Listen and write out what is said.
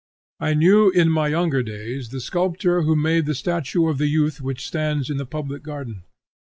I knew in my younger days the sculptor who made the statue of the youth which stands in the public garden.